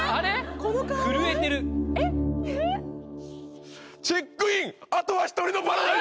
震えてる「チェックインあとは一人のパラダイス」